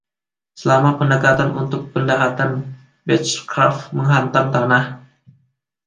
Selama pendekatan untuk pendaratan, Beechcraft menghantam tanah.